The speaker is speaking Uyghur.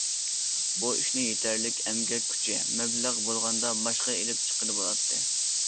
بۇ ئىشنى يېتەرلىك ئەمگەك كۈچى، مەبلەغ بولغاندا باشقا ئېلىپ چىققىلى بولاتتى.